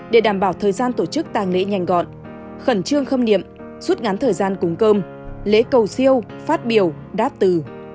để đảm bảo thời gian tổ chức tàng lễ nhanh gọn khẩn trương khâm niệm rút ngắn thời gian cúng cơm lễ cầu siêu phát biểu đáp từ